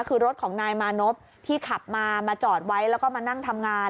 คือรถของนายมานพที่ขับมามาจอดไว้แล้วก็มานั่งทำงาน